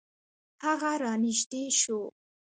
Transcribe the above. هغه را نژدې شو .